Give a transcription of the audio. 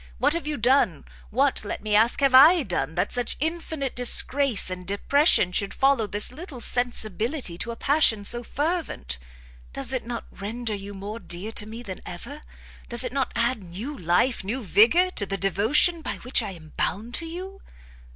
what have you done, what, let me ask, have I done, that such infinite disgrace and depression should follow this little sensibility to a passion so fervent? Does it not render you more dear to me than ever? does it not add new life, new vigour, to the devotion by which I am bound to you?"